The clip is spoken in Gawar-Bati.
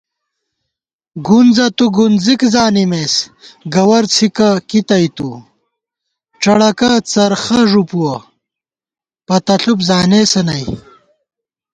گُنزہ تُو گُنزِک زانِمېس، گوَر څھِکہ کی تئیتُو * ڄَڑَکہ څرخہ ݫُپُوَہ، پتہ ݪُپ زانېسہ نئ